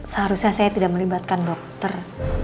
seharusnya saya tidak melibatkan dokter